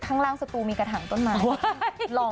มันนะมันนะมันโอ